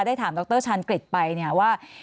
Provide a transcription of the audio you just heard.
ได้ถามดรชันกริจไปว่า